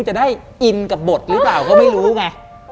จะได้อินกับบทหรือเปล่าก็ไม่รู้ไง